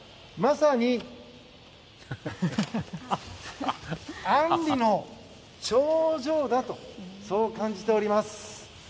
まさに「あんりの頂上」だとそう感じております。